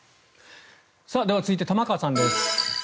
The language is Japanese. では、続いて玉川さんです。